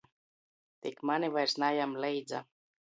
Tik mani vairs najam leidza.